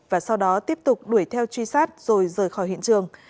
thiện tiếp tục đuổi theo truy sát rồi rời khỏi hiện trường